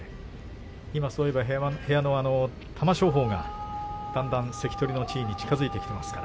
部屋の玉正鳳が、だんだん関取の地位に近づいてきています。